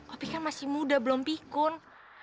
api kan masih muda belum pikun